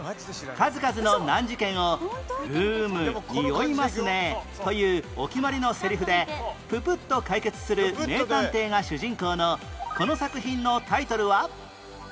数々の難事件を「フームにおいますね」というお決まりのセリフでププッと解決する名探偵が主人公のこの作品のタイトルは？